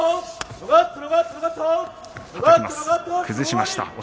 崩しました。